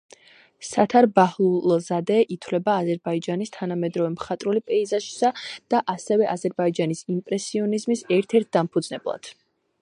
სათარ ბაჰლულზადე ითვლება აზერბაიჯანის თანამედროვე მხატვრული პეიზაჟის და ასევე აზერბაიჯანის იმპრესიონიზმის ერთ-ერთ დამფუძნებლად.